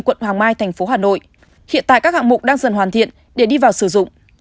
quận hoàng mai thành phố hà nội hiện tại các hạng mục đang dần hoàn thiện để đi vào sử dụng